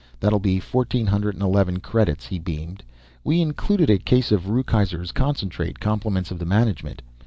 "That'll be fourteen hundred and eleven credits." He beamed. "We included a case of Ruykeser's Concentrate, compliments of the management."